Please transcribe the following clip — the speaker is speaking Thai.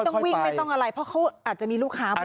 ต้องวิ่งไม่ต้องอะไรเพราะเขาอาจจะมีลูกค้ามา